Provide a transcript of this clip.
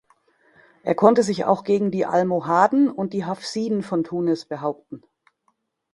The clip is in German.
Er konnte sich auch gegen die Almohaden und die Hafsiden von Tunis behaupten.